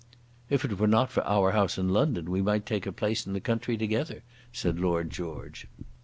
"If it were not for our house in London we might take a place in the country together," said Lord George.